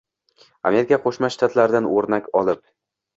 Amerika Qo'shma Shtatlaridan o‘rnak olib